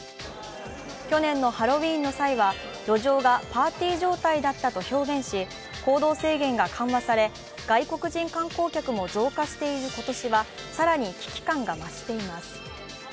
去年のハロウィーンの際は、路上がパーティー状態だったと表現し、行動制限が緩和され、外国人観光客も増加している今年は更に危機感が増しています。